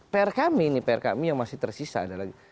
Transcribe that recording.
pr kami yang masih tersisa adalah